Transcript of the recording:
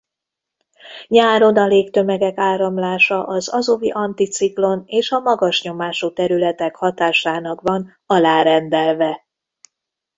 Nyáron a légtömegek áramlása az Azovi-anticiklon és a magas nyomású területek hatásának van alárendelve.